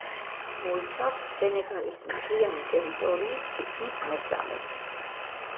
მოიცავს სენეგალის მთლიანი ტერიტორიის თითქმის მესამედს.